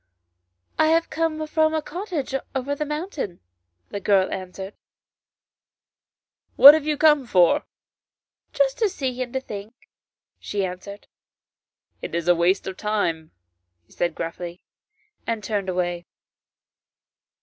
" I have come from a cottage over the mountain," the girl answered. " What have you come for ?"" Just to see and to think," she answered. " It is waste of time," he said gruffly, and turned away.